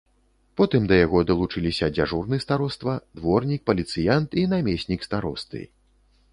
Потым да яго далучыліся дзяжурны староства, дворнік, паліцыянт і намеснік старосты.